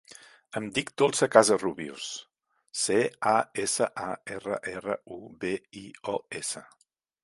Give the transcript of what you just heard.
Em dic Dolça Casarrubios: ce, a, essa, a, erra, erra, u, be, i, o, essa.